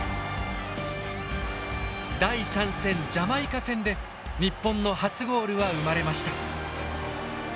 第３戦ジャマイカ戦で日本の初ゴールは生まれました。